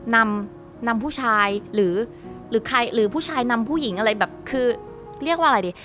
นำนำผู้ชายหรือใครหรือผู้ชายนำผู้หญิงอะไรแบบคือเรียกว่าอะไรดี